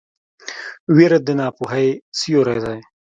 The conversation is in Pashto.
ویره د ناپوهۍ سیوری دی.